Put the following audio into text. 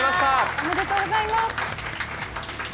おめでとうございます。